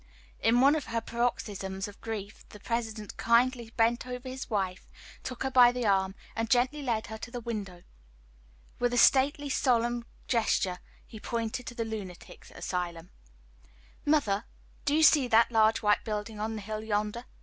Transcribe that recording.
In one of her paroxysms of grief the President kindly bent over his wife, took her by the arm, and gently led her to the window. With a stately, solemn gesture, he pointed to the lunatic asylum. "Mother, do you see that large white building on the hill yonder?